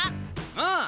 ああ！